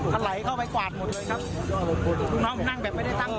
ถลายเข้าไปกวาดหมดเลยครับลูกน้องผมนั่งแบบไม่ได้ตั้ง